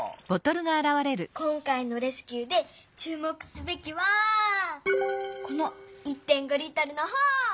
今回のレスキューでちゅう目すべきはこの１．５Ｌのほう！